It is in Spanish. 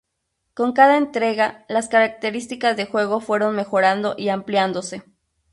Con cada entrega, las características de juego fueron mejorando y ampliándose.